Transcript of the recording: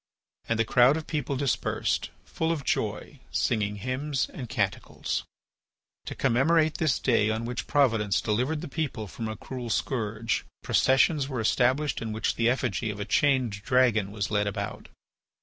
And the crowd of people dispersed, full of joy, singing hymns and canticles. To commemorate this day on which Providence delivered the people from a cruel scourge, processions were established in which the effigy of a chained dragon was led about.